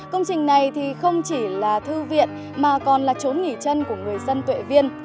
công trình này không chỉ là thư viện mà còn là chốn nghỉ chân của người dân tuệ viên